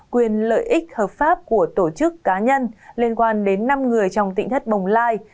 quyền lợi ích hợp pháp của tổ chức cá nhân liên quan đến năm người trong tỉnh thất bồng lai